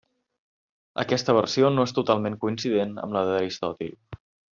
Aquesta versió no és totalment coincident amb la d’Aristòtil.